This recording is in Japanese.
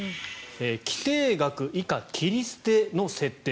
規定額以下切り捨ての設定